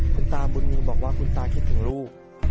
คุณตาบุญมีบอกว่าคุณตาคิดถึงลูก